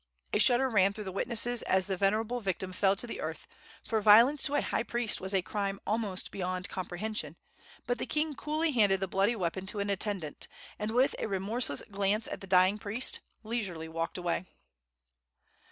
A shudder ran through the witnesses as the venerable victim fell to the earth, for violence to a high priest was a crime almost beyond comprehension; but the king coolly handed the bloody weapon to an attendant, and, with a remorseless glance at the dying priest, leisurely walked away.